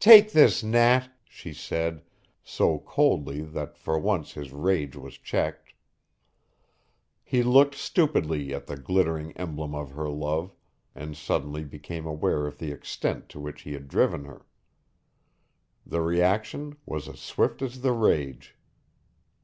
"Take this, Nat," she said, so coldly that for once his rage was checked. He looked stupidly at the glittering emblem of her love, and suddenly became aware of the extent to which he had driven her. The reaction was as swift as the rage.